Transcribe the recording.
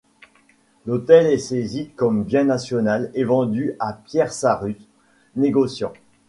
L'hôtel est saisi comme bien national et vendu à Pierre Sarrus, négociant.